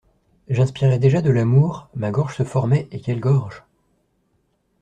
J’inspirais déjà de l’amour, ma gorge se formait, et quelle gorge!